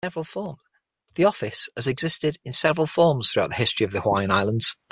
The office has existed in several forms throughout the history of the Hawaiian Islands.